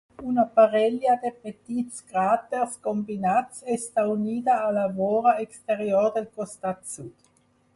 Una parella de petits cràters combinats està unida a la vora exterior del costat sud.